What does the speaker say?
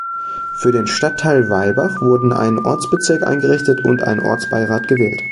Für den Stadtteil Weilbach wurden ein Ortsbezirk eingerichtet und ein Ortsbeirat gewählt.